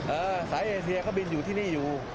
สายเอเซียก็บินอยู่ที่นี่อยู่